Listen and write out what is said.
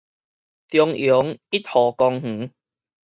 中庸一號公園